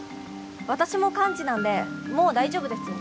私も幹事なんでもう大丈夫ですよ